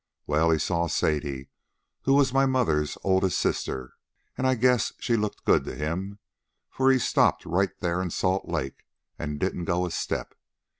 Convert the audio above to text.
Well, he saw Sadie, who was my mother's oldest sister, and I guess she looked good to him, for he stopped right there in Salt Lake and didn't go a step.